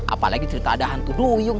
apalagi cerita ada hantu duyung